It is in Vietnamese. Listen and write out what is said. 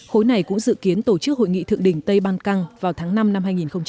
khối này cũng dự kiến tổ chức hội nghị thượng đỉnh tây ban căng vào tháng năm năm hai nghìn hai mươi